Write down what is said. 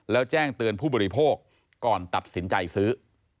แล้วแจ้งเตือนผู้บริโภคก่อนตัดสินใจซื้อ